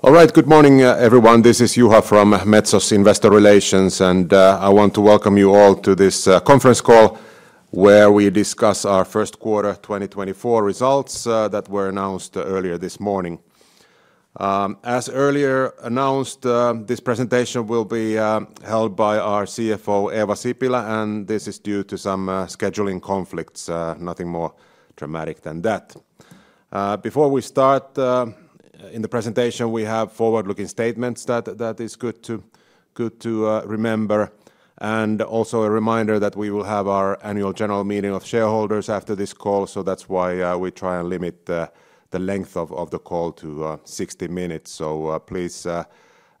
All right, good morning, everyone. This is Juha from Metso's Investor Relations, and I want to welcome you all to this conference call where we discuss our first quarter 2024 results that were announced earlier this morning. As earlier announced, this presentation will be held by our CFO, Eeva Sipilä, and this is due to some scheduling conflicts, nothing more dramatic than that. Before we start, in the presentation we have forward-looking statements that is good to remember, and also a reminder that we will have our annual general meeting of shareholders after this call, so that's why we try and limit the length of the call to 60 minutes. So please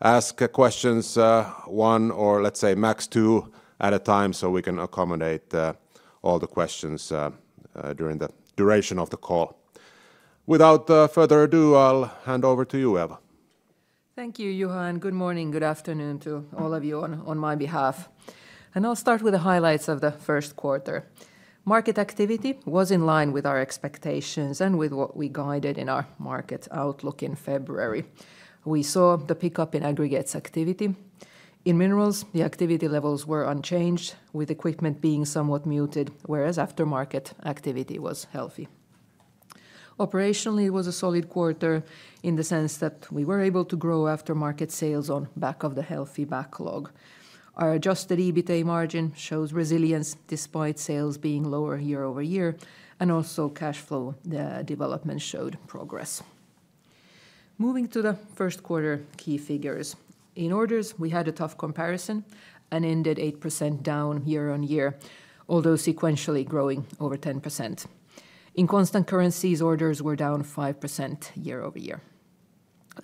ask questions one or, let's say, max two at a time so we can accommodate all the questions during the duration of the call. Without further ado, I'll hand over to you, Eeva. Thank you, Juha, and good morning, good afternoon to all of you on my behalf. I'll start with the highlights of the first quarter. Market activity was in line with our expectations and with what we guided in our market outlook in February. We saw the pickup in aggregates activity. In minerals, the activity levels were unchanged, with equipment being somewhat muted, whereas aftermarket activity was healthy. Operationally, it was a solid quarter in the sense that we were able to grow aftermarket sales on back of the healthy backlog. Our Adjusted EBITDA margin shows resilience despite sales being lower year-over-year, and also cash flow development showed progress. Moving to the first quarter key figures. In orders, we had a tough comparison and ended 8% down year-over-year, although sequentially growing over 10%. In constant currencies, orders were down 5% year-over-year.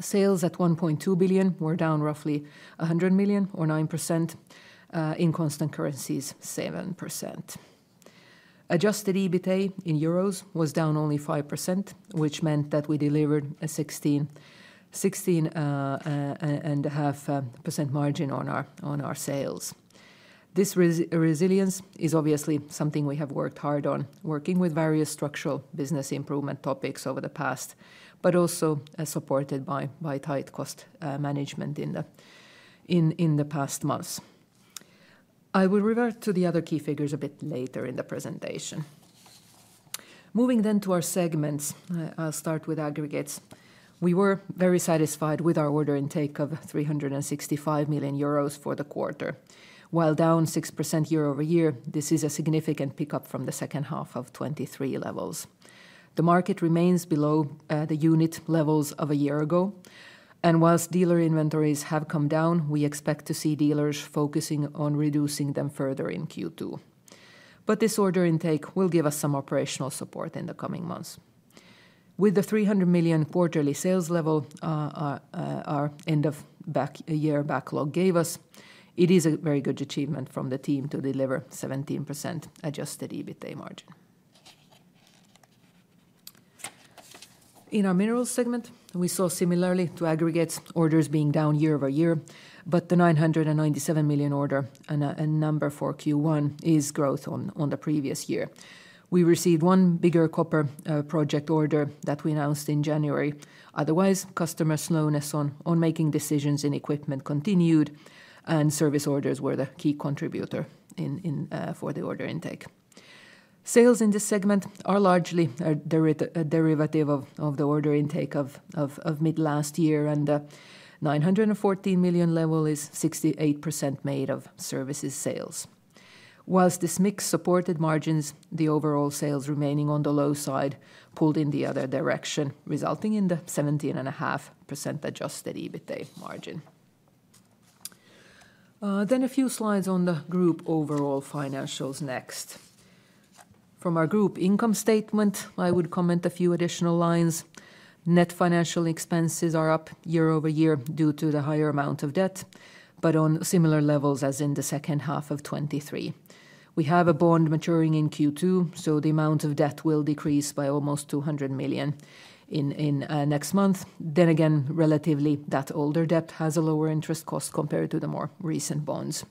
Sales at 1.2 billion were down roughly 100 million, or 9%. In constant currencies, 7%. Adjusted EBITDA in euros was down only 5%, which meant that we delivered a 16.5% margin on our sales. This resilience is obviously something we have worked hard on, working with various structural business improvement topics over the past, but also supported by tight cost management in the past months. I will revert to the other key figures a bit later in the presentation. Moving then to our segments, I'll start with aggregates. We were very satisfied with our order intake of 365 million euros for the quarter. While down 6% year-over-year, this is a significant pickup from the second half of 2023 levels. The market remains below the unit levels of a year ago, and while dealer inventories have come down, we expect to see dealers focusing on reducing them further in Q2. But this order intake will give us some operational support in the coming months. With the 300 million quarterly sales level our end-of-year backlog gave us, it is a very good achievement from the team to deliver 17% adjusted EBITDA margin. In our minerals segment, we saw, similarly to aggregates, orders being down year-over-year, but the 997 million order intake number for Q1 is growth on the previous year. We received one bigger copper project order that we announced in January. Otherwise, customer slowness on making decisions in equipment continued, and service orders were the key contributor for the order intake. Sales in this segment are largely a derivative of the order intake of mid-last year, and the 914 million level is 68% made of services sales. While this mix supported margins, the overall sales remaining on the low side pulled in the other direction, resulting in the 17.5% Adjusted EBITDA margin. Then a few slides on the group overall financials next. From our group income statement, I would comment a few additional lines. Net financial expenses are up year-over-year due to the higher amount of debt, but on similar levels as in the second half of 2023. We have a bond maturing in Q2, so the amount of debt will decrease by almost 200 million in next month. Then again, relatively, that older debt has a lower interest cost compared to the more recent bonds.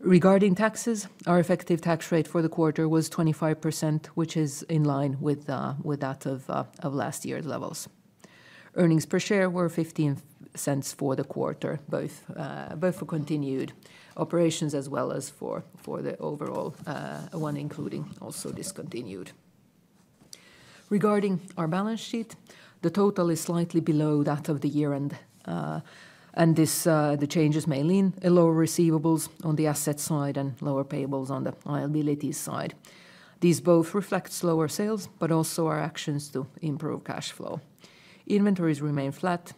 Regarding taxes, our effective tax rate for the quarter was 25%, which is in line with that of last year's levels. Earnings per share were 0.0015 for the quarter, both for continued operations as well as for the overall one, including also discontinued. Regarding our balance sheet, the total is slightly below that of the year-end, and the changes may lean a lower receivables on the asset side and lower payables on the liabilities side. These both reflect slower sales, but also our actions to improve cash flow. Inventories remain flat.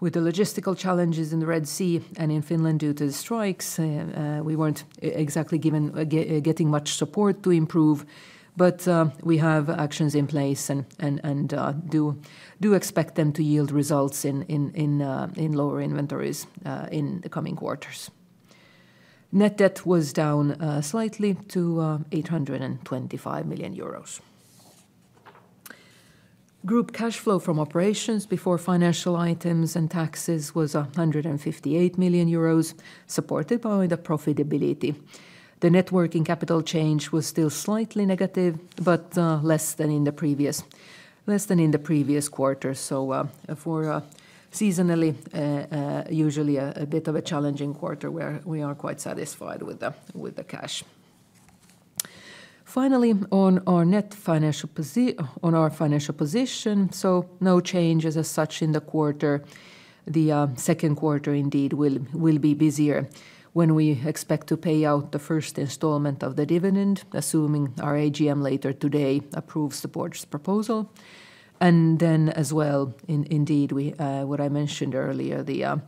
With the logistical challenges in the Red Sea and in Finland due to the strikes, we weren't exactly getting much support to improve, but we have actions in place and do expect them to yield results in lower inventories in the coming quarters. Net debt was down slightly to 825 million euros. Group cash flow from operations before financial items and taxes was 158 million euros, supported by the profitability. The net working capital change was still slightly negative, but less than in the previous quarter. So for a seasonally, usually a bit of a challenging quarter, we are quite satisfied with the cash. Finally, on our financial position, so no changes as such in the quarter. The second quarter, indeed, will be busier when we expect to pay out the first installment of the dividend, assuming our AGM later today approves the Board's proposal. And then as well, indeed, what I mentioned earlier, the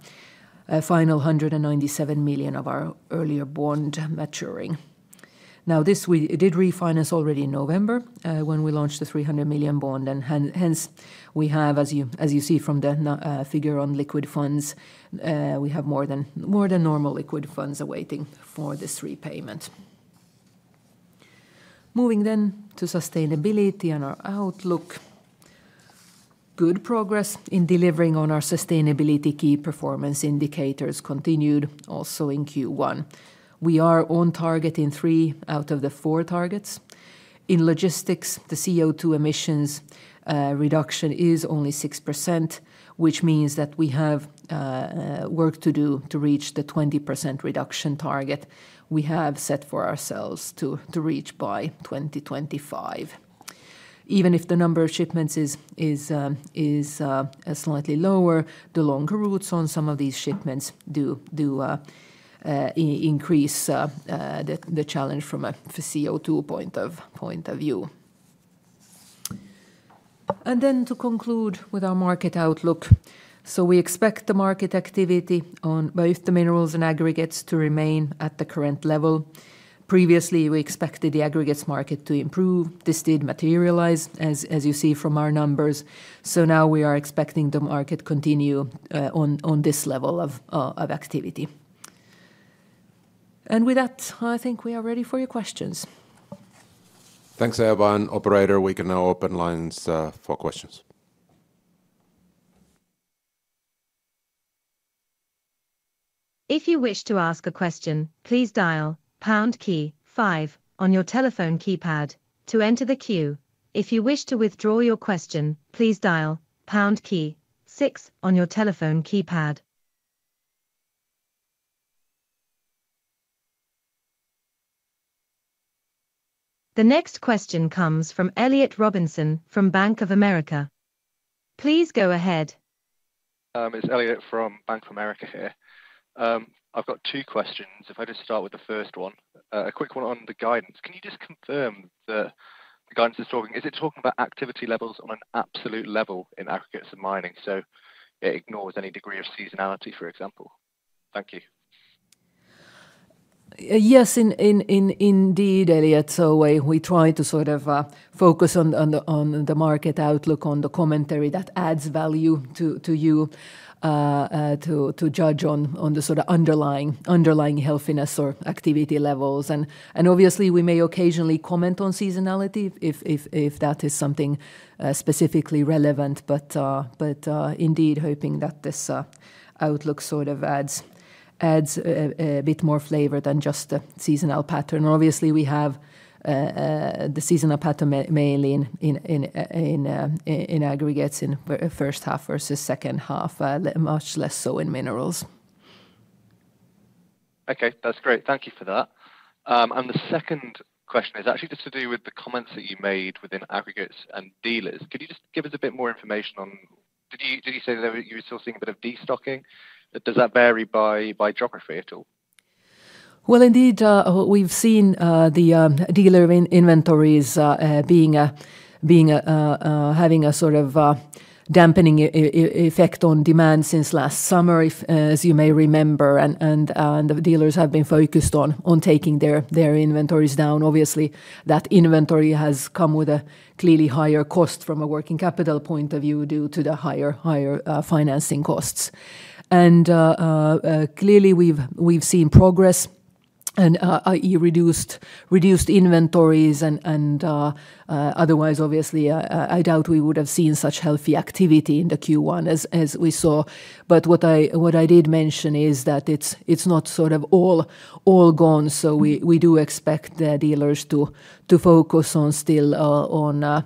final 197 million of our earlier bond maturing. Now, this we did refinance already in November when we launched the 300 million bond, and hence we have, as you see from the figure on liquid funds, we have more than normal liquid funds awaiting for this repayment. Moving then to sustainability and our outlook. Good progress in delivering on our sustainability key performance indicators continued, also in Q1. We are on target in three out of the four targets. In logistics, the CO2 emissions reduction is only 6%, which means that we have work to do to reach the 20% reduction target we have set for ourselves to reach by 2025. Even if the number of shipments is slightly lower, the longer routes on some of these shipments do increase the challenge from a CO2 point of view. And then to conclude with our market outlook. So we expect the market activity on both the minerals and aggregates to remain at the current level. Previously, we expected the aggregates market to improve. This did materialize, as you see from our numbers. So now we are expecting the market to continue on this level of activity. With that, I think we are ready for your questions. Thanks, Eeva. And operator, we can now open lines for questions. If you wish to ask a question, please dial pound key five on your telephone keypad to enter the queue. If you wish to withdraw your question, please dial pound key six on your telephone keypad. The next question comes from Elliott Robinson from Bank of America. Please go ahead. It's Elliott from Bank of America here. I've got two questions. If I just start with the first one, a quick one on the guidance. Can you just confirm that the guidance is talking—is it talking about activity levels on an absolute level in aggregates and mining, so it ignores any degree of seasonality, for example? Thank you. Yes, indeed, Elliott. So we try to sort of focus on the market outlook, on the commentary that adds value to you to judge on the sort of underlying healthiness or activity levels. And obviously, we may occasionally comment on seasonality if that is something specifically relevant, but indeed, hoping that this outlook sort of adds a bit more flavor than just the seasonal pattern. Obviously, we have the seasonal pattern mainly in aggregates in first half versus second half, much less so in minerals. Okay, that's great. Thank you for that. The second question is actually just to do with the comments that you made within aggregates and dealers. Could you just give us a bit more information on did you say that you were still seeing a bit of destocking? Does that vary by geography at all? Well, indeed, we've seen the dealer inventories having a sort of dampening effect on demand since last summer, as you may remember, and the dealers have been focused on taking their inventories down. Obviously, that inventory has come with a clearly higher cost from a working capital point of view due to the higher financing costs. And clearly, we've seen progress and reduced inventories. And otherwise, obviously, I doubt we would have seen such healthy activity in the Q1 as we saw. But what I did mention is that it's not sort of all gone. So we do expect dealers to focus still on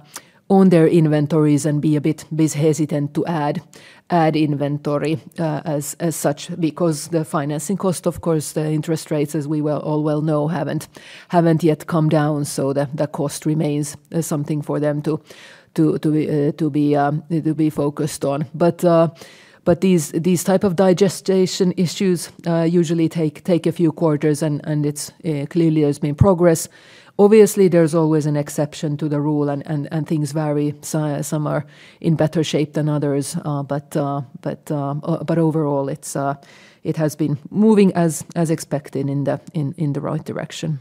their inventories and be a bit hesitant to add inventory as such, because the financing cost, of course, the interest rates, as we all well know, haven't yet come down, so the cost remains something for them to be focused on. But these types of digestion issues usually take a few quarters, and clearly, there's been progress. Obviously, there's always an exception to the rule, and things vary. Some are in better shape than others. But overall, it has been moving as expected in the right direction.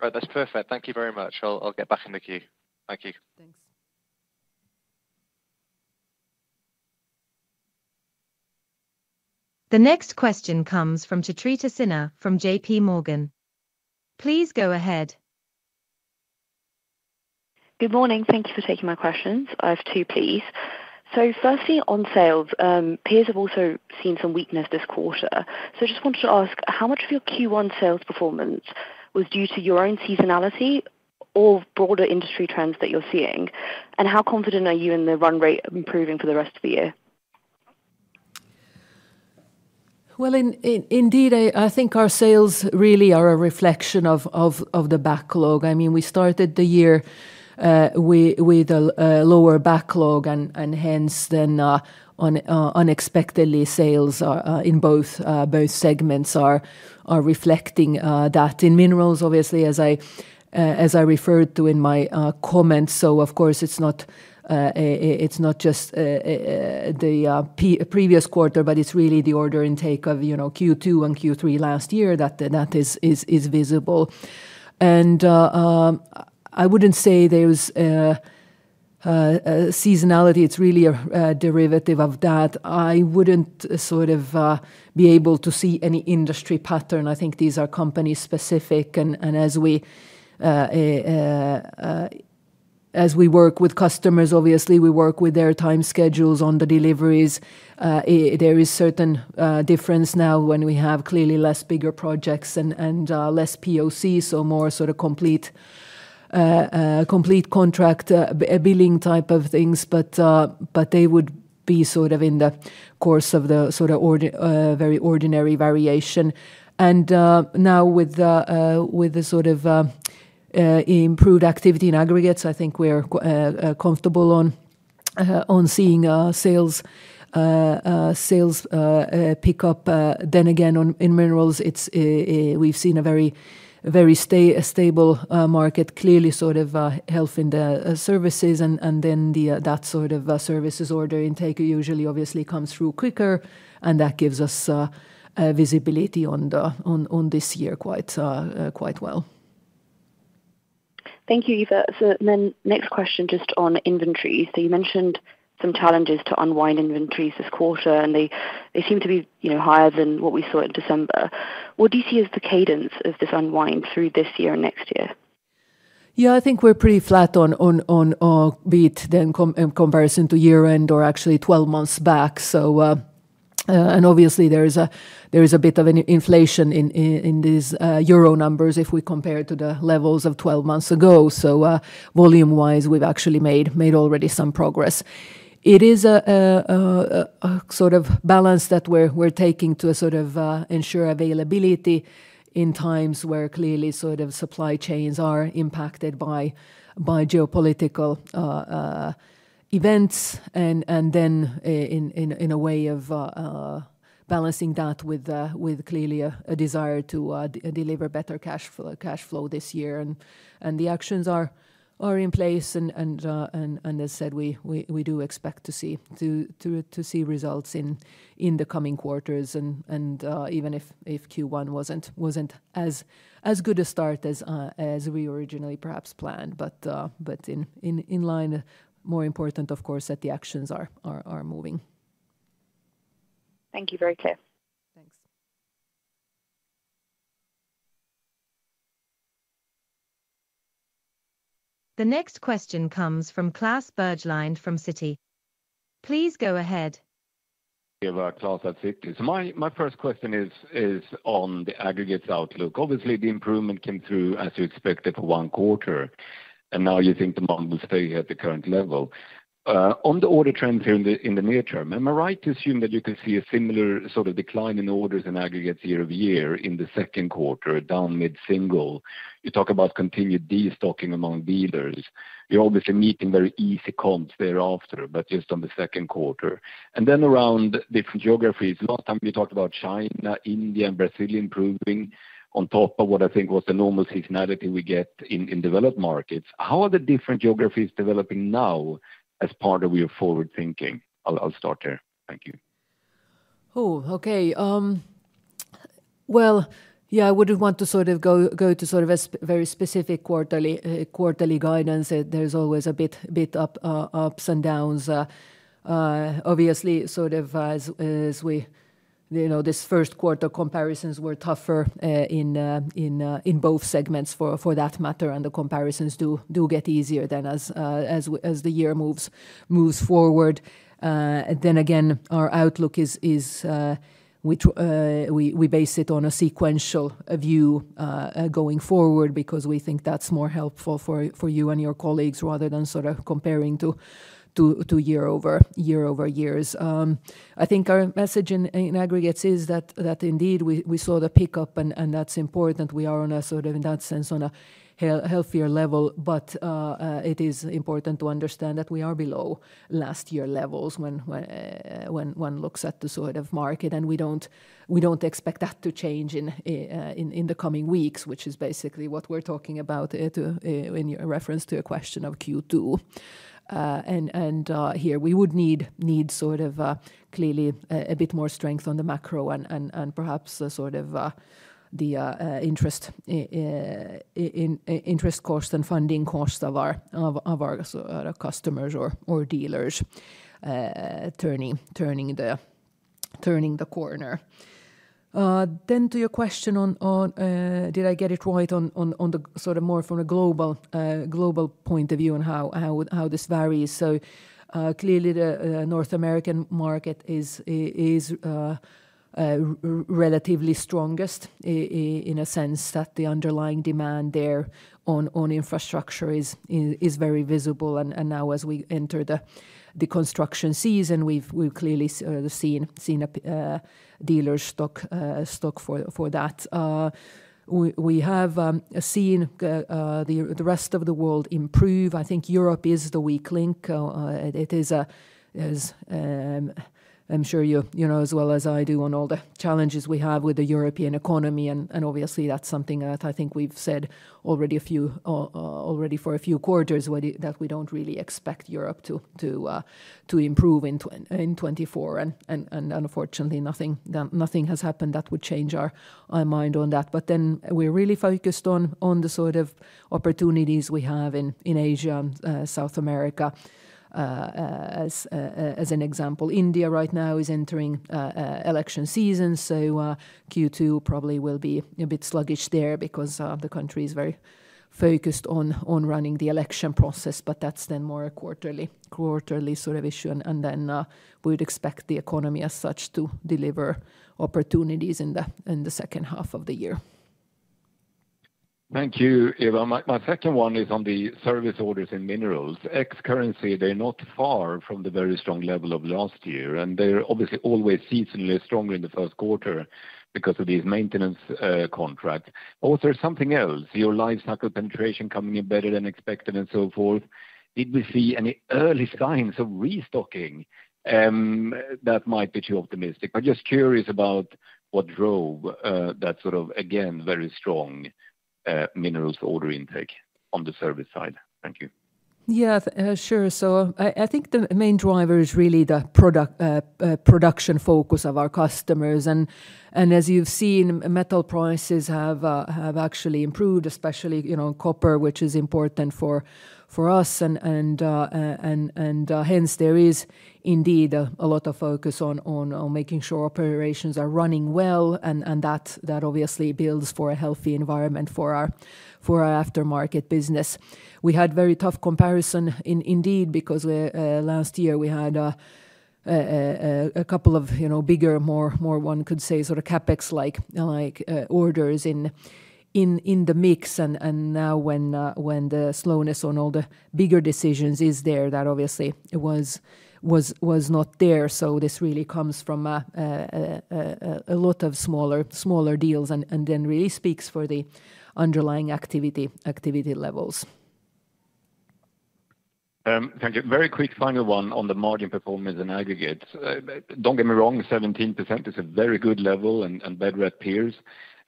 All right, that's perfect. Thank you very much. I'll get back in the queue. Thank you. Thanks. The next question comes from Chitrita Sinha from JPMorgan. Please go ahead. Good morning. Thank you for taking my questions. I have two, please. So firstly, on sales, peers have also seen some weakness this quarter. So I just wanted to ask, how much of your Q1 sales performance was due to your own seasonality or broader industry trends that you're seeing? And how confident are you in the run rate improving for the rest of the year? Well, indeed, I think our sales really are a reflection of the backlog. I mean, we started the year with a lower backlog, and hence then unexpectedly, sales in both segments are reflecting that. In minerals, obviously, as I referred to in my comments, so of course, it's not just the previous quarter, but it's really the order intake of Q2 and Q3 last year that is visible. And I wouldn't say there's seasonality. It's really a derivative of that. I wouldn't sort of be able to see any industry pattern. I think these are company-specific. And as we work with customers, obviously, we work with their time schedules on the deliveries. There is a certain difference now when we have clearly less bigger projects and less POC, so more sort of complete contract billing type of things, but they would be sort of in the course of the sort of very ordinary variation. Now with the sort of improved activity in aggregates, I think we are comfortable on seeing sales pick up. Then again, in minerals, we've seen a very stable market, clearly sort of health in the services, and then that sort of services order intake usually, obviously, comes through quicker, and that gives us visibility on this year quite well. Thank you, Eeva. So then next question just on inventories. So you mentioned some challenges to unwind inventories this quarter, and they seem to be higher than what we saw in December. What do you see as the cadence of this unwind through this year and next year? Yeah, I think we're pretty flat on our beat than in comparison to year-end or actually 12 months back. And obviously, there is a bit of inflation in these euro numbers if we compare to the levels of 12 months ago. So volume-wise, we've actually made already some progress. It is a sort of balance that we're taking to sort of ensure availability in times where clearly sort of supply chains are impacted by geopolitical events, and then in a way of balancing that with clearly a desire to deliver better cash flow this year. And the actions are in place. And as said, we do expect to see results in the coming quarters, even if Q1 wasn't as good a start as we originally perhaps planned. But in line, more important, of course, that the actions are moving. Thank you. Very clear. Thanks. The next question comes from Klas Bergelind from Citi. Please go ahead. Hi, Klas at Citi. So my first question is on the aggregates outlook. Obviously, the improvement came through, as you expected, for one quarter, and now you think the bottom will stay at the current level. On the order trends here in the near term, am I right to assume that you can see a similar sort of decline in orders and aggregates year-over-year in the second quarter, down mid-single? You talk about continued destocking among dealers. You're obviously meeting very easy comps thereafter, but just on the second quarter. And then around different geographies, last time you talked about China, India, and Brazil improving on top of what I think was the normal seasonality we get in developed markets. How are the different geographies developing now as part of your forward thinking? I'll start there. Thank you. Oh, okay. Well, yeah, I wouldn't want to sort of go to sort of very specific quarterly guidance. There's always a bit ups and downs. Obviously, sort of as we this first quarter comparisons were tougher in both segments for that matter, and the comparisons do get easier then as the year moves forward. Then again, our outlook is we base it on a sequential view going forward because we think that's more helpful for you and your colleagues rather than sort of comparing to year-over-years. I think our message in Aggregates is that indeed, we saw the pickup, and that's important. We are sort of in that sense on a healthier level, but it is important to understand that we are below last year levels when one looks at the sort of market, and we don't expect that to change in the coming weeks, which is basically what we're talking about in reference to a question of Q2. And here we would need sort of clearly a bit more strength on the macro and perhaps sort of the interest cost and funding cost of our customers or dealers turning the corner. Then to your question on did I get it right on the sort of more from a global point of view and how this varies. So clearly, the North American market is relatively strongest in a sense that the underlying demand there on infrastructure is very visible. Now as we enter the construction season, we've clearly seen a dealer stock for that. We have seen the rest of the world improve. I think Europe is the weak link. I'm sure you know as well as I do on all the challenges we have with the European economy. Obviously, that's something that I think we've said already for a few quarters that we don't really expect Europe to improve in 2024. Unfortunately, nothing has happened that would change my mind on that. But then we're really focused on the sort of opportunities we have in Asia and South America. As an example, India right now is entering election season, so Q2 probably will be a bit sluggish there because the country is very focused on running the election process. But that's then more a quarterly sort of issue. And then we would expect the economy as such to deliver opportunities in the second half of the year. Thank you, Eeva. My second one is on the service orders in minerals. Ex-currency, they're not far from the very strong level of last year, and they're obviously always seasonally stronger in the first quarter because of these maintenance contracts. Also, there's something else. Your lifecycle penetration coming in better than expected and so forth. Did we see any early signs of restocking? That might be too optimistic. But just curious about what drove that sort of, again, very strong minerals order intake on the service side. Thank you. Yeah, sure. I think the main driver is really the production focus of our customers. As you've seen, metal prices have actually improved, especially copper, which is important for us. Hence, there is indeed a lot of focus on making sure operations are running well, and that obviously builds for a healthy environment for our aftermarket business. We had very tough comparison indeed because last year we had a couple of bigger, more one could say sort of CapEx-like orders in the mix. Now when the slowness on all the bigger decisions is there, that obviously was not there. This really comes from a lot of smaller deals and then really speaks for the underlying activity levels. Thank you. Very quick final one on the margin performance in aggregates. Don't get me wrong, 17% is a very good level and better at peers.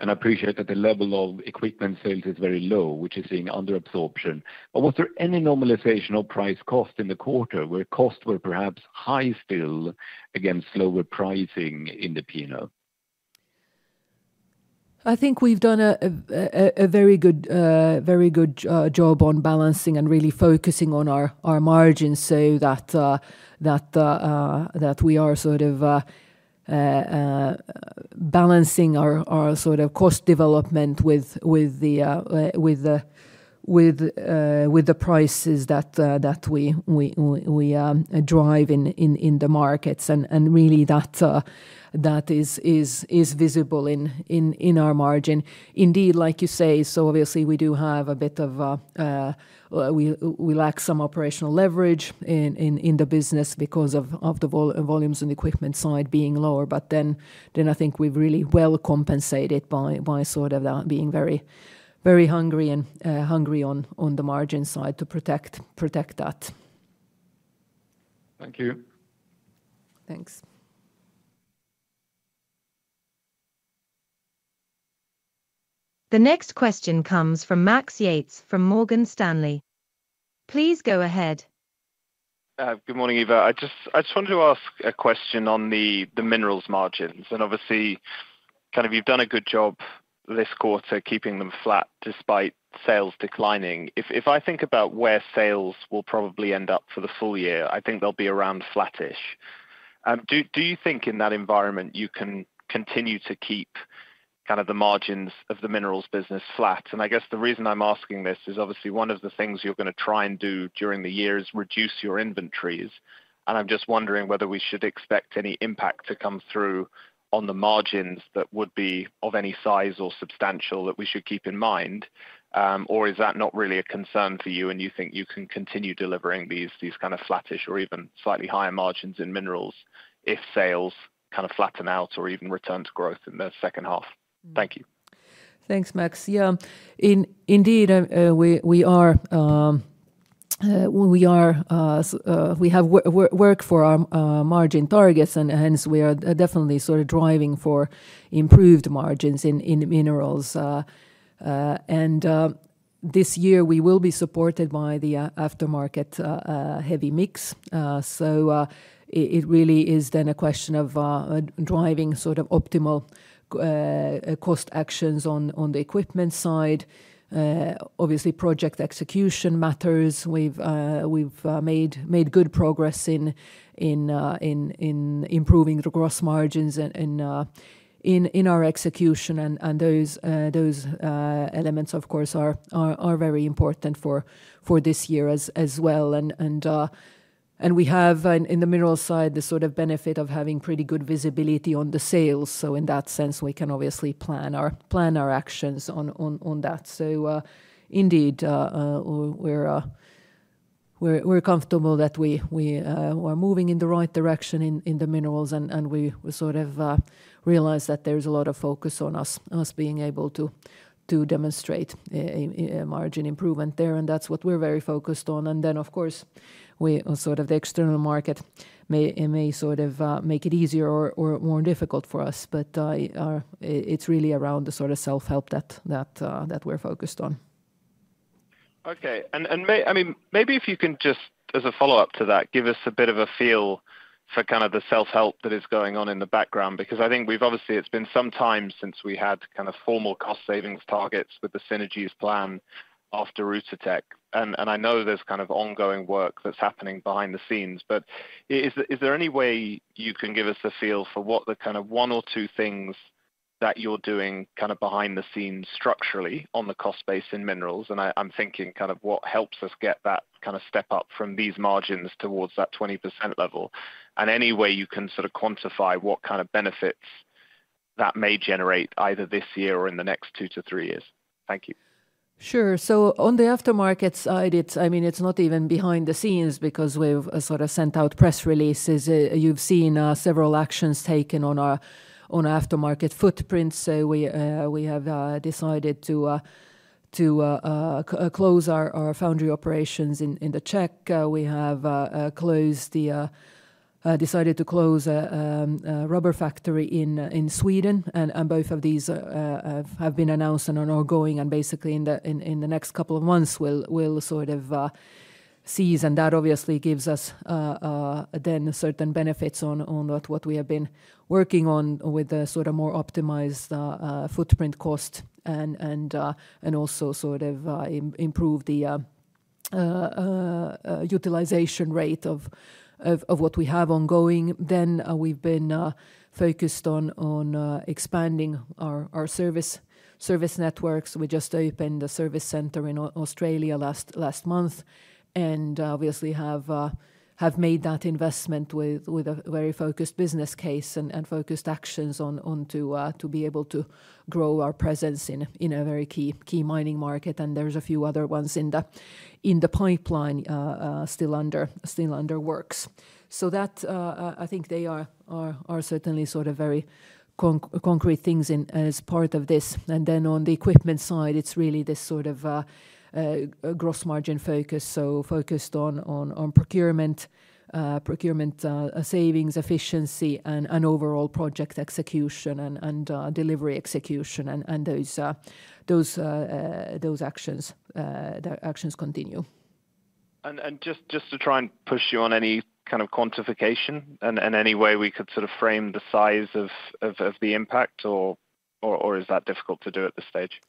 And I appreciate that the level of equipment sales is very low, which is seeing underabsorption. But was there any normalization of price cost in the quarter where costs were perhaps high still against slower pricing in the P&L? I think we've done a very good job on balancing and really focusing on our margins so that we are sort of balancing our sort of cost development with the prices that we drive in the markets. And really, that is visible in our margin. Indeed, like you say, so obviously, we do have a bit of we lack some operational leverage in the business because of the volumes on the equipment side being lower. But then I think we've really well compensated by sort of being very hungry on the margin side to protect that. Thank you. Thanks. The next question comes from Max Yates from Morgan Stanley. Please go ahead. Good morning, Eeva. I just wanted to ask a question on the minerals margins. And obviously, kind of you've done a good job this quarter keeping them flat despite sales declining. If I think about where sales will probably end up for the full year, I think they'll be around flattish. Do you think in that environment you can continue to keep kind of the margins of the minerals business flat? And I guess the reason I'm asking this is obviously one of the things you're going to try and do during the year is reduce your inventories. I'm just wondering whether we should expect any impact to come through on the margins that would be of any size or substantial that we should keep in mind, or is that not really a concern for you and you think you can continue delivering these kind of flattish or even slightly higher margins in minerals if sales kind of flatten out or even return to growth in the second half? Thank you. Thanks, Max. Yeah, indeed, we are, we have work for our margin targets, and hence we are definitely sort of driving for improved margins in minerals. And this year, we will be supported by the aftermarket heavy mix. So it really is then a question of driving sort of optimal cost actions on the equipment side. Obviously, project execution matters. We've made good progress in improving the gross margins in our execution. And those elements, of course, are very important for this year as well. And we have in the minerals side the sort of benefit of having pretty good visibility on the sales. So in that sense, we can obviously plan our actions on that. So indeed, we're comfortable that we are moving in the right direction in the minerals, and we sort of realize that there's a lot of focus on us being able to demonstrate margin improvement there. And that's what we're very focused on. And then, of course, sort of the external market may sort of make it easier or more difficult for us. But it's really around the sort of self-help that we're focused on. Okay. And I mean, maybe if you can just as a follow-up to that, give us a bit of a feel for kind of the self-help that is going on in the background because I think we've obviously, it's been some time since we had kind of formal cost savings targets with the Synergies plan after Outotec. And I know there's kind of ongoing work that's happening behind the scenes. But is there any way you can give us a feel for what the kind of one or two things that you're doing kind of behind the scenes structurally on the cost base in minerals? I'm thinking kind of what helps us get that kind of step up from these margins towards that 20% level and any way you can sort of quantify what kind of benefits that may generate either this year or in the next two to three years? Thank you. Sure. So on the aftermarket side, I mean, it's not even behind the scenes because we've sort of sent out press releases. You've seen several actions taken on our aftermarket footprints. So we have decided to close our foundry operations in the Czech Republic. We have decided to close a rubber factory in Sweden. And both of these have been announced and are ongoing. And basically, in the next couple of months, we'll sort of cease. And that obviously gives us then certain benefits on what we have been working on with the sort of more optimized footprint cost and also sort of improve the utilization rate of what we have ongoing. Then we've been focused on expanding our service networks. We just opened a service center in Australia last month and obviously have made that investment with a very focused business case and focused actions on to be able to grow our presence in a very key mining market. And there's a few other ones in the pipeline still under works. So I think they are certainly sort of very concrete things as part of this. And then on the equipment side, it's really this sort of gross margin focus, so focused on procurement, procurement savings, efficiency, and overall project execution and delivery execution. And those actions, the actions continue. Just to try and push you on any kind of quantification and any way we could sort of frame the size of the impact, or is that difficult to do at this stage?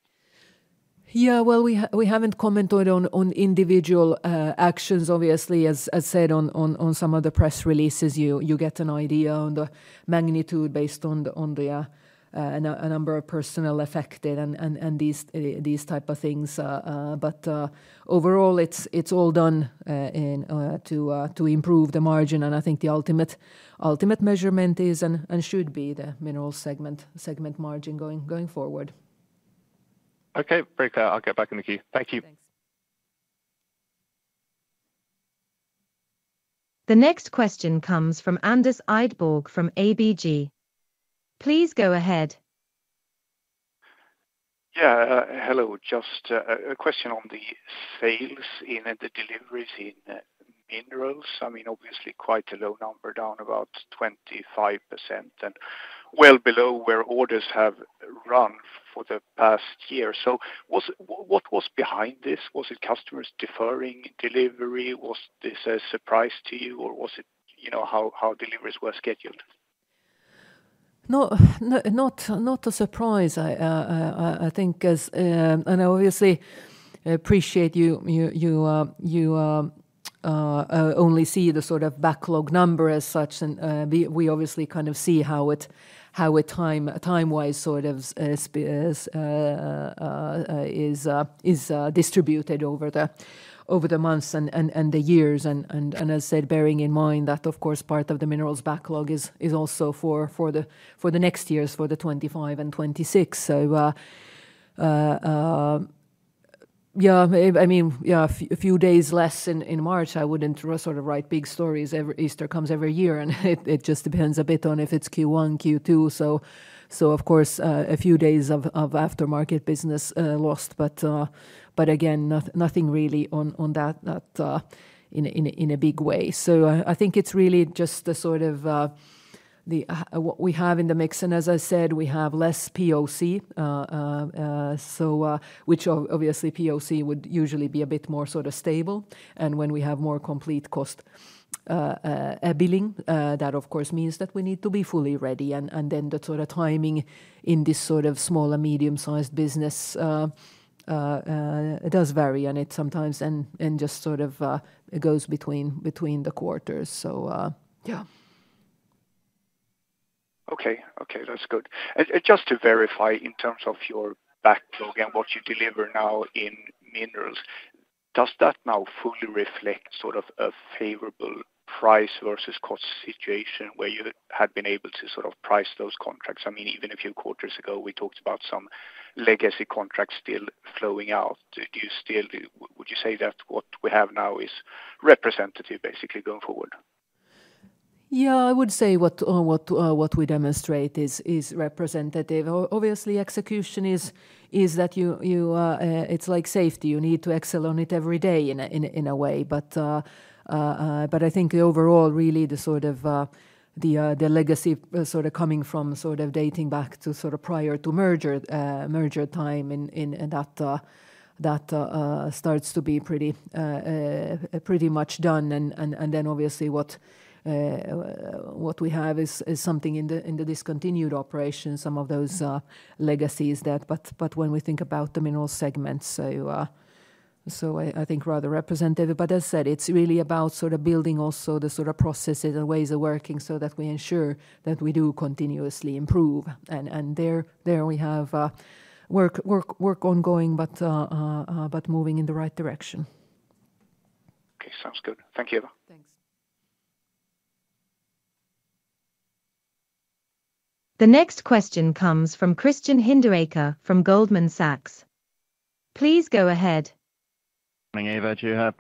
Yeah, well, we haven't commented on individual actions. Obviously, as said on some of the press releases, you get an idea on the magnitude based on the number of personnel affected and these type of things. But overall, it's all done to improve the margin. And I think the ultimate measurement is and should be the minerals segment margin going forward. Okay, very clear. I'll get back in the queue. Thank you. The next question comes from Anders Idborg from ABG. Please go ahead. Yeah, hello. Just a question on the sales in the deliveries in minerals. I mean, obviously, quite a low number, down about 25% and well below where orders have run for the past year. So what was behind this? Was it customers deferring delivery? Was this a surprise to you, or was it how deliveries were scheduled? Not a surprise, I think. I obviously appreciate you only see the sort of backlog number as such. We obviously kind of see how it timewise sort of is distributed over the months and the years. As said, bearing in mind that, of course, part of the minerals backlog is also for the next years, for the 2025 and 2026. Yeah, I mean, yeah, a few days less in March. I wouldn't sort of write big stories. Easter comes every year, and it just depends a bit on if it's Q1, Q2. Of course, a few days of aftermarket business lost. Again, nothing really on that in a big way. I think it's really just the sort of what we have in the mix. As I said, we have less POC, which obviously POC would usually be a bit more sort of stable. When we have more complete contract billing, that, of course, means that we need to be fully ready. Then the sort of timing in this sort of smaller, medium-sized business does vary, and it sometimes just sort of goes between the quarters. So yeah. Okay, okay, that's good. And just to verify in terms of your backlog and what you deliver now in minerals, does that now fully reflect sort of a favorable price versus cost situation where you had been able to sort of price those contracts? I mean, even a few quarters ago, we talked about some legacy contracts still flowing out. Would you say that what we have now is representative, basically, going forward? Yeah, I would say what we demonstrate is representative. Obviously, execution is that it's like safety. You need to excel on it every day in a way. But I think overall, really, the sort of legacy sort of coming from sort of dating back to sort of prior to merger time in that starts to be pretty much done. And then obviously, what we have is something in the discontinued operations, some of those legacies that. But when we think about the minerals segments, so I think rather representative. But as said, it's really about sort of building also the sort of processes and ways of working so that we ensure that we do continuously improve. And there we have work ongoing, but moving in the right direction. Okay, sounds good. Thank you, Eeva. Thanks. The next question comes from Christian Hinderaker from Goldman Sachs. Please go ahead. Morning, Eeva. Do you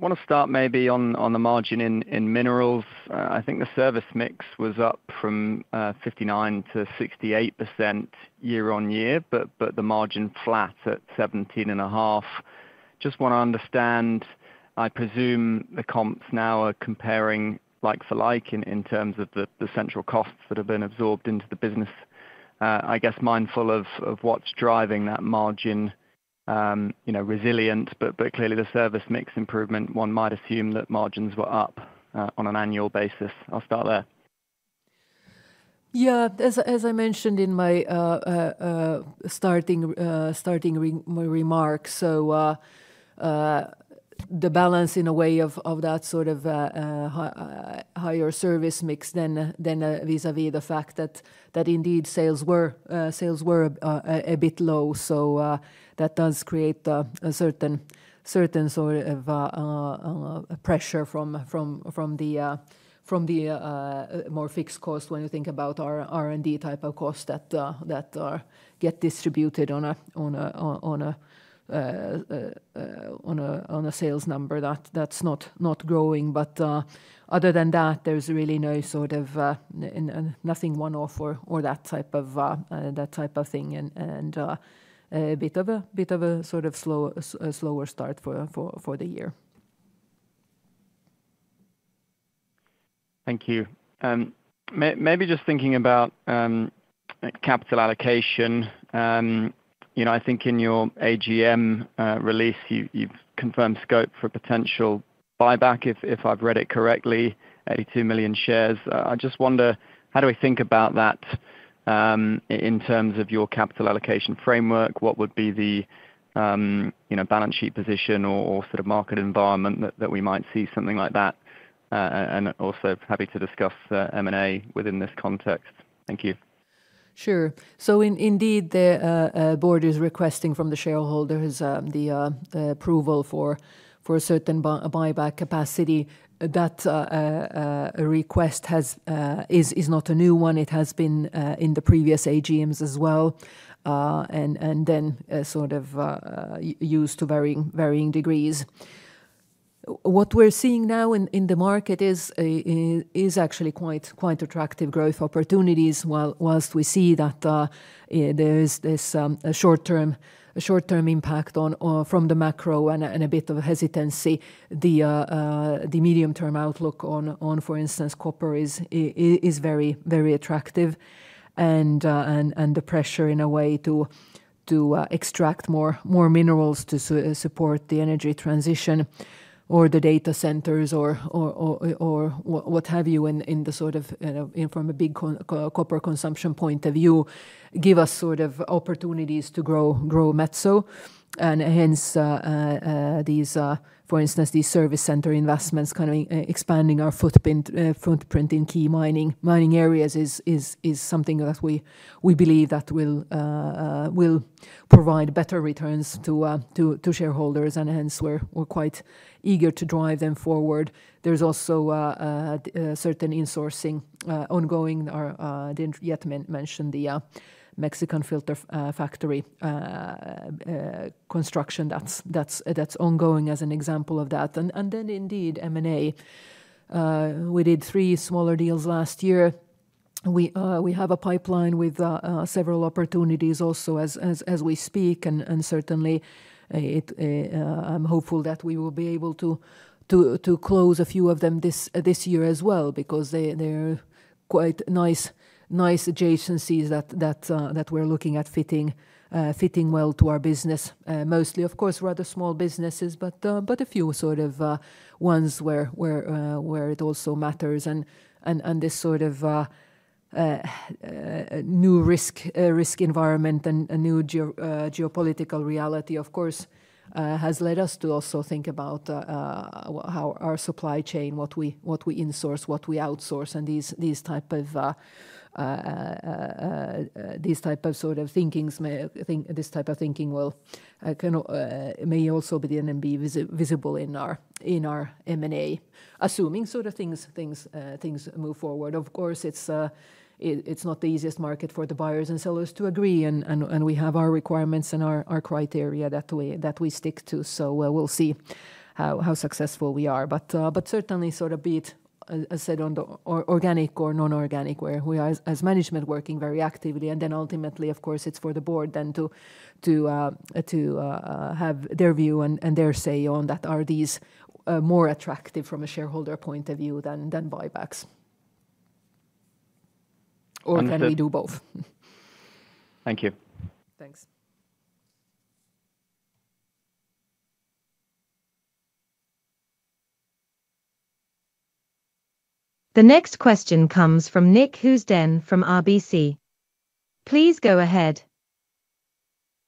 want to start maybe on the margin in minerals? I think the service mix was up from 59%-68% year-on-year, but the margin flat at 17.5%. Just want to understand. I presume the comps now are comparing like for like in terms of the central costs that have been absorbed into the business, I guess, mindful of what's driving that margin resilience. But clearly, the service mix improvement, one might assume that margins were up on an annual basis. I'll start there. Yeah, as I mentioned in my starting remarks, so the balance in a way of that sort of higher service mix then vis-à-vis the fact that indeed sales were a bit low. So that does create a certain sort of pressure from the more fixed cost when you think about R&D type of costs that get distributed on a sales number that's not growing. But other than that, there's really no sort of nothing one-off or that type of thing and a bit of a sort of slower start for the year. Thank you. Maybe just thinking about capital allocation, I think in your AGM release, you've confirmed scope for potential buyback, if I've read it correctly, 82 million shares. I just wonder, how do we think about that in terms of your capital allocation framework? What would be the balance sheet position or sort of market environment that we might see something like that? And also happy to discuss M&A within this context. Thank you. Sure. So indeed, the board is requesting from the shareholders the approval for a certain buyback capacity. That request is not a new one. It has been in the previous AGMs as well and then sort of used to varying degrees. What we're seeing now in the market is actually quite attractive growth opportunities whilst we see that there is this short-term impact from the macro and a bit of hesitancy. The medium-term outlook on, for instance, copper is very attractive and the pressure in a way to extract more minerals to support the energy transition or the data centers or what have you in the sort of from a big copper consumption point of view, give us sort of opportunities to grow Metso. And hence, for instance, these service center investments, kind of expanding our footprint in key mining areas is something that we believe that will provide better returns to shareholders. And hence, we're quite eager to drive them forward. There's also certain insourcing ongoing. I didn't yet mention the Mexican filter factory construction that's ongoing as an example of that. And then indeed, M&A, we did three smaller deals last year. We have a pipeline with several opportunities also as we speak. And certainly, I'm hopeful that we will be able to close a few of them this year as well because they're quite nice adjacencies that we're looking at fitting well to our business, mostly, of course, rather small businesses, but a few sort of ones where it also matters. This sort of new risk environment and new geopolitical reality, of course, has led us to also think about our supply chain, what we insource, what we outsource, and these type of sort of thinkings, this type of thinking may also be then visible in our M&A, assuming sort of things move forward. Of course, it's not the easiest market for the buyers and sellers to agree. We have our requirements and our criteria that we stick to. So we'll see how successful we are. But certainly, sort of be it, as said, organic or non-organic, where we are as management working very actively. Then ultimately, of course, it's for the board then to have their view and their say on that, are these more attractive from a shareholder point of view than buybacks? Or can we do both? Thank you. Thanks. The next question comes from Nick Housden from RBC. Please go ahead.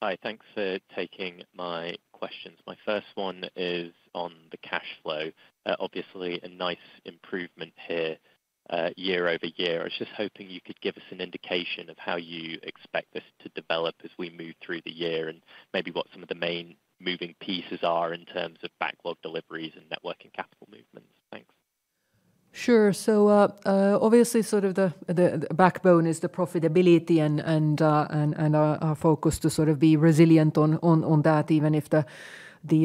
Hi, thanks for taking my questions. My first one is on the cash flow. Obviously, a nice improvement here year-over-year. I was just hoping you could give us an indication of how you expect this to develop as we move through the year and maybe what some of the main moving pieces are in terms of backlog deliveries and net working capital movements. Thanks. Sure. So obviously, sort of the backbone is the profitability and our focus to sort of be resilient on that, even if the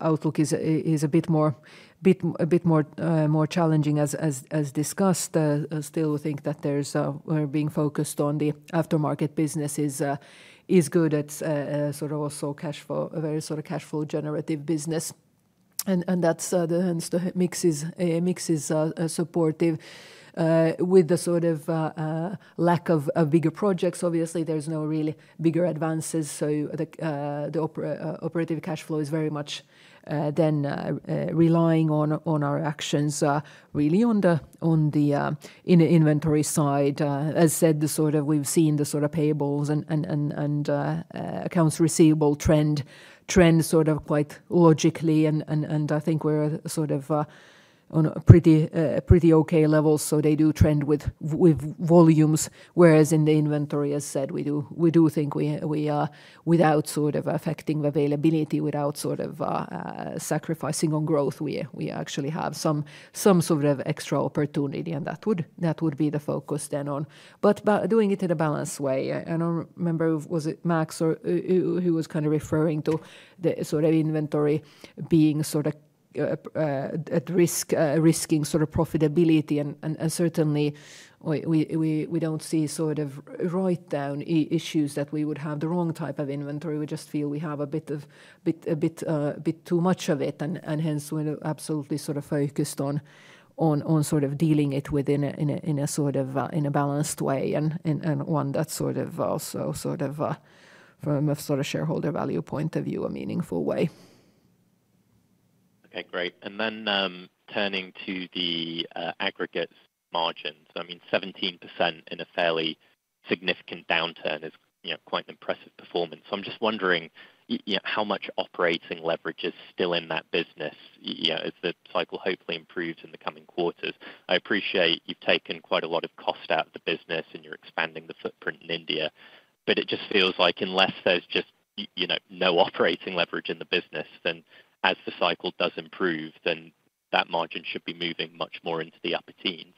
outlook is a bit more challenging as discussed. Still, we think that being focused on the aftermarket business is good. It's sort of also very sort of cash flow generative business. And hence, the mix is supportive with the sort of lack of bigger projects. Obviously, there's no really bigger advances. So the operative cash flow is very much then relying on our actions, really on the inventory side. As said, sort of we've seen the sort of payables and accounts receivable trend sort of quite logically. And I think we're sort of on pretty okay levels. So they do trend with volumes. Whereas in the inventory, as said, we do think without sort of affecting the availability, without sort of sacrificing on growth, we actually have some sort of extra opportunity. And that would be the focus then on. But doing it in a balanced way. I don't remember, was it Max who was kind of referring to the sort of inventory being sort of risking sort of profitability? And certainly, we don't see sort of write-down issues that we would have the wrong type of inventory. We just feel we have a bit too much of it. And hence, we're absolutely sort of focused on sort of dealing it within a sort of balanced way and one that's sort of also sort of from a sort of shareholder value point of view, a meaningful way. Okay, great. And then turning to the aggregate margins. I mean, 17% in a fairly significant downturn is quite an impressive performance. So I'm just wondering how much operating leverage is still in that business as the cycle hopefully improves in the coming quarters. I appreciate you've taken quite a lot of cost out of the business and you're expanding the footprint in India. But it just feels like unless there's just no operating leverage in the business, then as the cycle does improve, then that margin should be moving much more into the upper teens.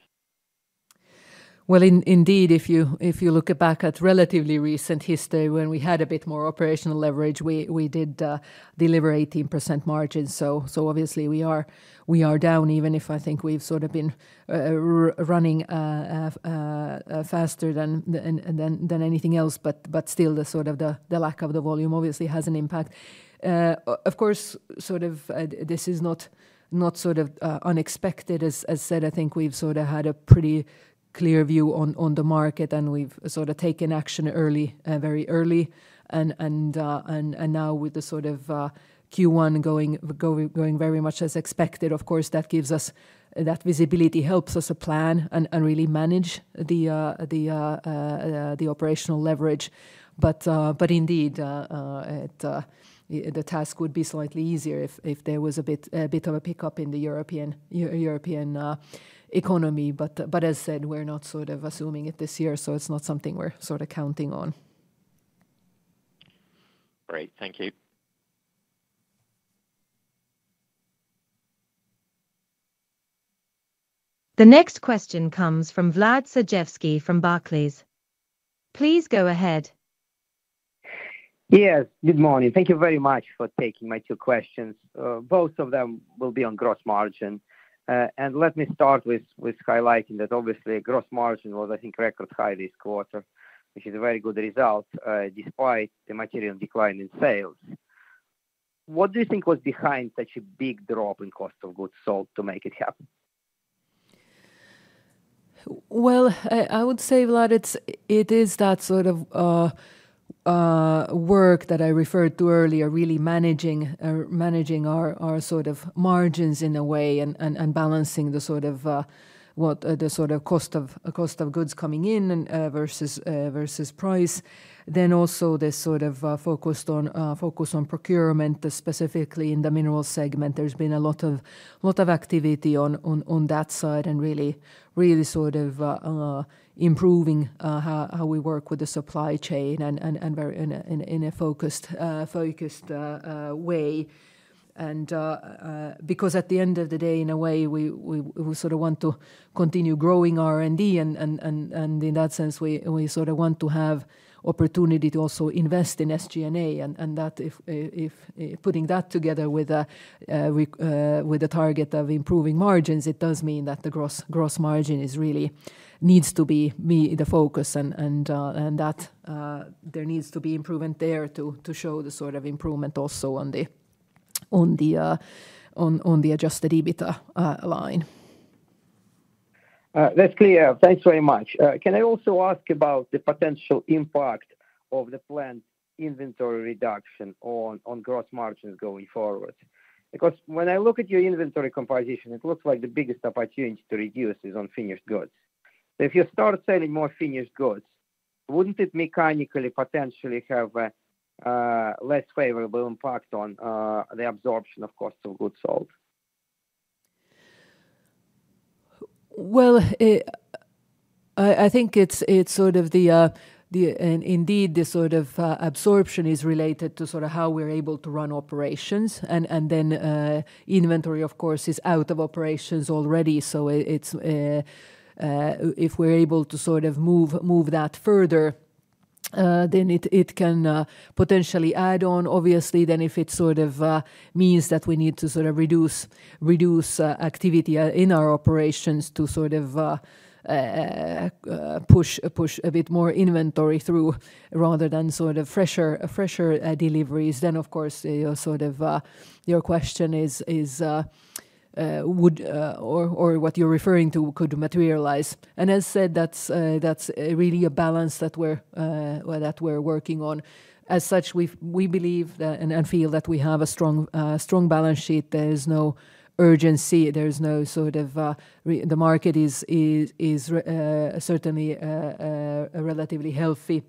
Well, indeed, if you look back at relatively recent history when we had a bit more operational leverage, we did deliver 18% margins. So obviously, we are down, even if I think we've sort of been running faster than anything else. But still, the sort of lack of the volume obviously has an impact. Of course, sort of this is not sort of unexpected. As said, I think we've sort of had a pretty clear view on the market, and we've sort of taken action very early. And now with the sort of Q1 going very much as expected, of course, that visibility helps us plan and really manage the operational leverage. But indeed, the task would be slightly easier if there was a bit of a pickup in the European economy. But as said, we're not sort of assuming it this year. It's not something we're sort of counting on. Great. Thank you. The next question comes from Vlad Sergievskiy from Barclays. Please go ahead. Yes, good morning. Thank you very much for taking my two questions. Both of them will be on gross margin. Let me start with highlighting that obviously, gross margin was, I think, record high this quarter, which is a very good result despite the material decline in sales. What do you think was behind such a big drop in cost of goods sold to make it happen? Well, I would say, Vlad, it is that sort of work that I referred to earlier, really managing our sort of margins in a way and balancing the sort of cost of goods coming in versus price. Then also this sort of focus on procurement, specifically in the mineral segment. There's been a lot of activity on that side and really sort of improving how we work with the supply chain in a focused way. And because at the end of the day, in a way, we sort of want to continue growing R&D. And in that sense, we sort of want to have opportunity to also invest in SG&A. And putting that together with a target of improving margins, it does mean that the gross margin needs to be the focus. There needs to be improvement there to show the sort of improvement also on the Adjusted EBITDA line. That's clear. Thanks very much. Can I also ask about the potential impact of the planned inventory reduction on gross margins going forward? Because when I look at your inventory composition, it looks like the biggest opportunity to reduce is on finished goods. If you start selling more finished goods, wouldn't it mechanically, potentially, have a less favorable impact on the absorption of cost of goods sold? Well, I think it's sort of indeed the sort of absorption is related to sort of how we're able to run operations. And then inventory, of course, is out of operations already. So if we're able to sort of move that further, then it can potentially add on. Obviously, then if it sort of means that we need to sort of reduce activity in our operations to sort of push a bit more inventory through rather than sort of fresher deliveries, then, of course, sort of your question is what you're referring to could materialize. And as said, that's really a balance that we're working on. As such, we believe and feel that we have a strong balance sheet. There is no urgency. There's no sort of the market is certainly relatively healthy.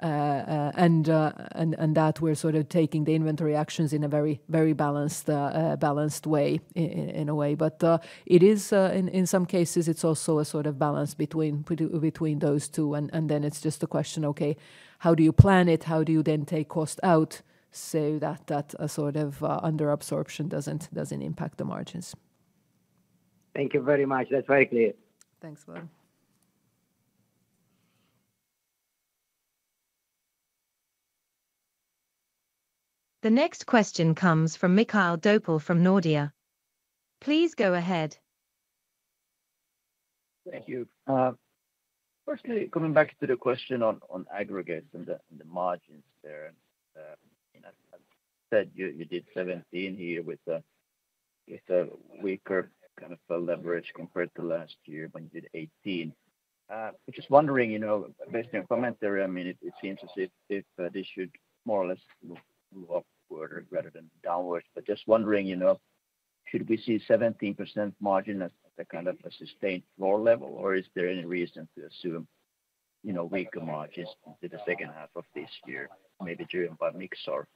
And that we're sort of taking the inventory actions in a very balanced way, in a way. But in some cases, it's also a sort of balance between those two. And then it's just a question, okay, how do you plan it? How do you then take cost out so that sort of underabsorption doesn't impact the margins? Thank you very much. That's very clear. Thanks, Vlad. The next question comes from Mikael Doepel from Nordea. Please go ahead. Thank you. Firstly, coming back to the question on aggregates and the margins there. As said, you did 17 here with a weaker kind of leverage compared to last year when you did 18. Just wondering, based on your commentary, I mean, it seems as if this should more or less move upward rather than downwards. But just wondering, should we see 17% margin as kind of a sustained floor level, or is there any reason to assume weaker margins into the second half of this year, maybe driven by mix or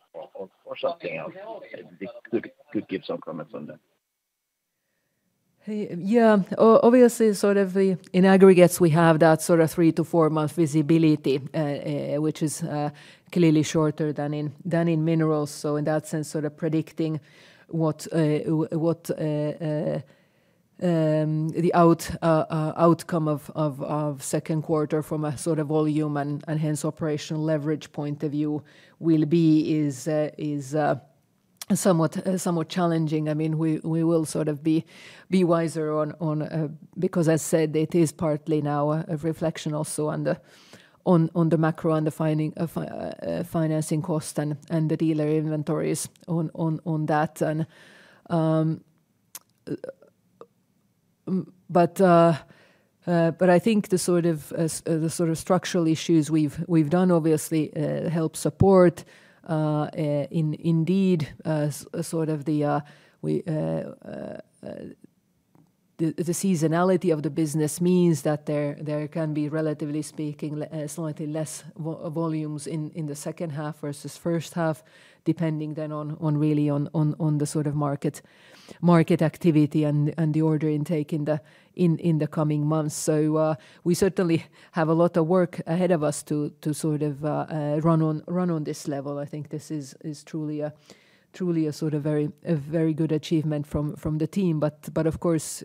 something else? If you could give some comments on that. Yeah. Obviously, sort of in aggregates, we have that sort of three to four month visibility, which is clearly shorter than in minerals. So in that sense, sort of predicting what the outcome of second quarter from a sort of volume and hence operational leverage point of view will be is somewhat challenging. I mean, we will sort of be wiser on because, as said, it is partly now a reflection also on the macro and the financing cost and the dealer inventories on that. But I think the sort of structural issues we've done, obviously, help support. Indeed, sort of the seasonality of the business means that there can be, relatively speaking, slightly less volumes in the second half versus first half, depending then really on the sort of market activity and the order intake in the coming months. So we certainly have a lot of work ahead of us to sort of run on this level. I think this is truly a sort of very good achievement from the team. But of course,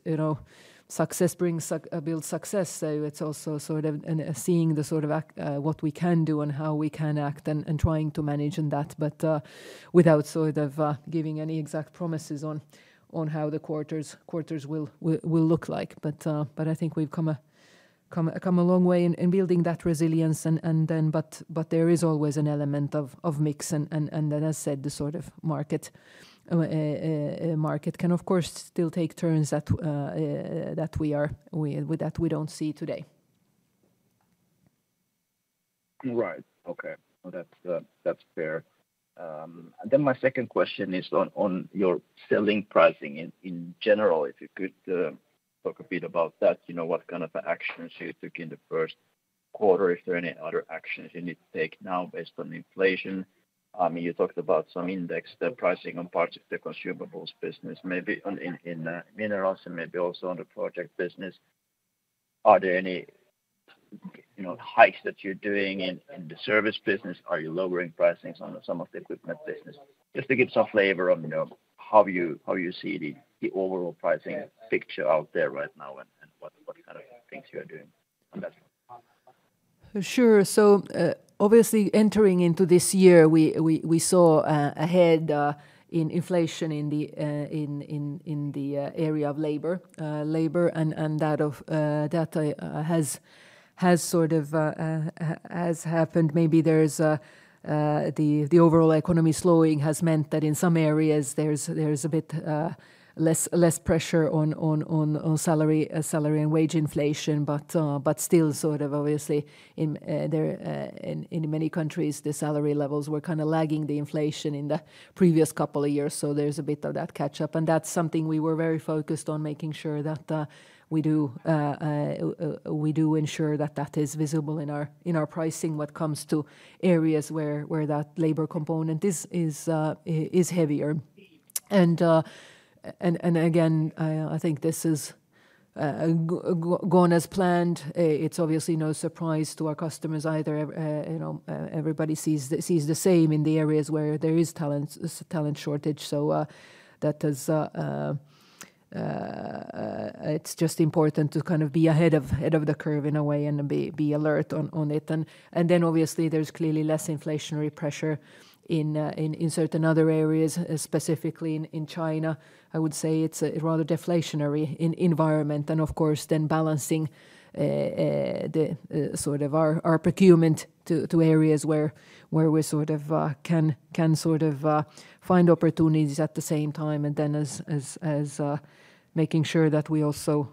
success builds success. So it's also sort of seeing the sort of what we can do and how we can act and trying to manage in that, but without sort of giving any exact promises on how the quarters will look like. But I think we've come a long way in building that resilience. But there is always an element of mix. And then, as said, the sort of market can, of course, still take turns that we don't see today. Right. Okay. No, that's fair. Then my second question is on your selling pricing in general. If you could talk a bit about that, what kind of actions you took in the first quarter, if there are any other actions you need to take now based on inflation? I mean, you talked about some index pricing on parts of the consumables business, maybe in minerals, and maybe also on the project business. Are there any hikes that you're doing in the service business? Are you lowering pricings on some of the equipment business? Just to give some flavor on how you see the overall pricing picture out there right now and what kind of things you are doing on that front. Sure. So obviously, entering into this year, we saw ahead of inflation in the area of labor. And that has sort of happened. Maybe the overall economy slowing has meant that in some areas, there's a bit less pressure on salary and wage inflation. But still, sort of obviously, in many countries, the salary levels were kind of lagging the inflation in the previous couple of years. So there's a bit of that catch-up. And that's something we were very focused on, making sure that we do ensure that that is visible in our pricing when it comes to areas where that labor component is heavier. And again, I think this has gone as planned. It's obviously no surprise to our customers either. Everybody sees the same in the areas where there is talent shortage. So it's just important to kind of be ahead of the curve in a way and be alert on it. And then obviously, there's clearly less inflationary pressure in certain other areas, specifically in China. I would say it's a rather deflationary environment. And of course, then balancing sort of our procurement to areas where we sort of can sort of find opportunities at the same time, and then making sure that we also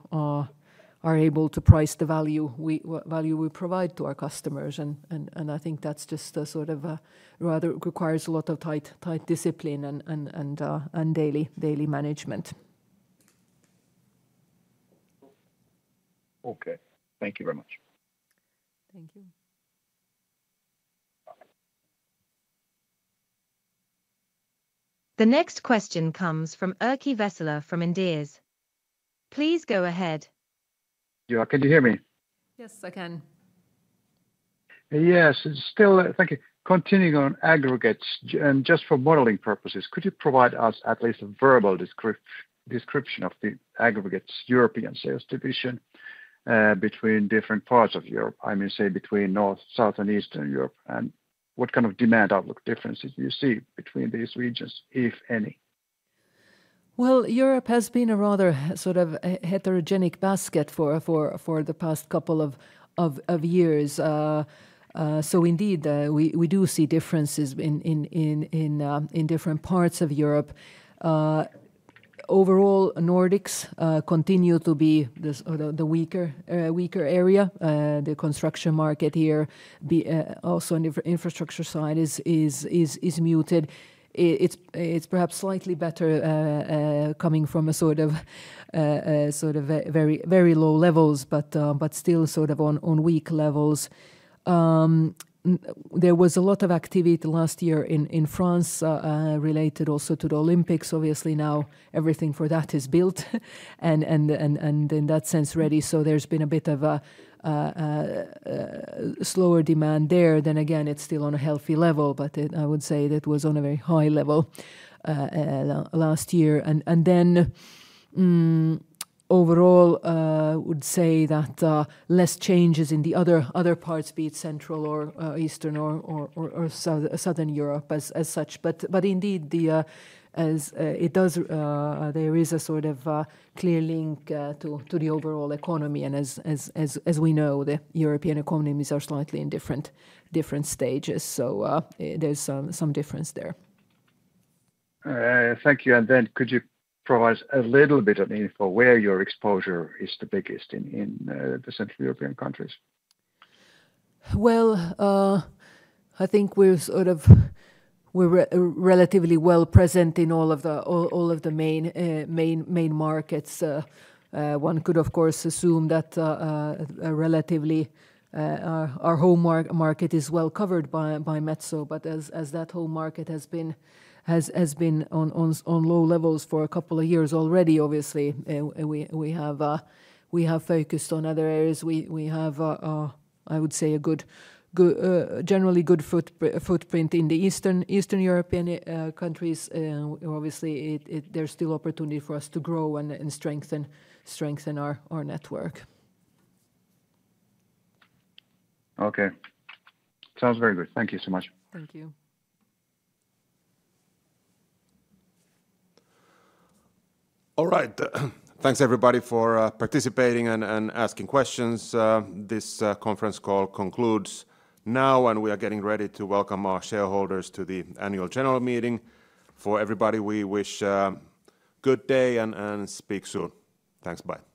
are able to price the value we provide to our customers. And I think that's just sort of rather requires a lot of tight discipline and daily management. Okay. Thank you very much. Thank you. The next question comes from Erkki Vesola from Inderes. Please go ahead. Yeah. Can you hear me? Yes, I can. Yes. Thank you. Continuing on aggregates, and just for modeling purposes, could you provide us at least a verbal description of the aggregates, European sales division, between different parts of Europe? I mean, say, between North, South, and Eastern Europe. And what kind of demand outlook differences do you see between these regions, if any? Well, Europe has been a rather sort of heterogeneous basket for the past couple of years. So indeed, we do see differences in different parts of Europe. Overall, Nordics continue to be the weaker area. The construction market here, also on the infrastructure side, is muted. It's perhaps slightly better coming from sort of very low levels, but still sort of on weak levels. There was a lot of activity last year in France related also to the Olympics. Obviously, now everything for that is built and in that sense ready. So there's been a bit of a slower demand there. Then again, it's still on a healthy level. But I would say that it was on a very high level last year. And then overall, I would say that less changes in the other parts, be it central or eastern or southern Europe as such. Indeed, there is a sort of clear link to the overall economy. As we know, the European economies are slightly in different stages. There's some difference there. Thank you. And then could you provide a little bit of info where your exposure is the biggest in the Central European countries? Well, I think we're relatively well present in all of the main markets. One could, of course, assume that relatively our home market is well covered by Metso. But as that home market has been on low levels for a couple of years already, obviously, we have focused on other areas. We have, I would say, a generally good footprint in the Eastern European countries. Obviously, there's still opportunity for us to grow and strengthen our network. Okay. Sounds very good. Thank you so much. Thank you. All right. Thanks, everybody, for participating and asking questions. This conference call concludes now, and we are getting ready to welcome our shareholders to the annual general meeting. For everybody, we wish a good day and speak soon. Thanks. Bye.